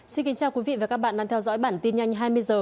xin kính chào quý vị và các bạn đang theo dõi bản tin nhanh hai mươi h